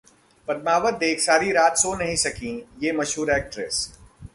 'पद्मावत' देख सारी रात सो नहीं सकी ये मशहूर एक्ट्रेस